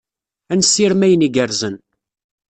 Ad nessirem ayen igerrzen.